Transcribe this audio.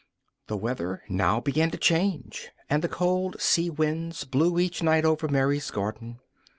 The weather now began to change, and the cold sea winds blew each night over Mary's garden.